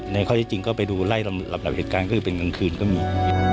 ในข้อจริงก็ไปดูไล่หลับเหตุการณ์คือเป็นกลางคืนก็มี